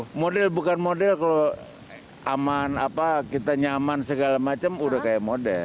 kalau model bukan model kalau aman apa kita nyaman segala macam udah kayak model